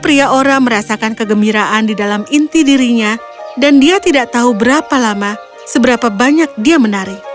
pria ora merasakan kegembiraan di dalam inti dirinya dan dia tidak tahu berapa lama seberapa banyak dia menari